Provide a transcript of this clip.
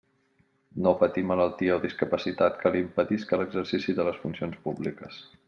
No patir malaltia o discapacitat que li impedisca l'exercici de les funcions públiques.